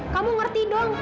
kamu ngerti dong